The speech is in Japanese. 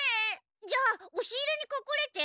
じゃあおし入れにかくれて。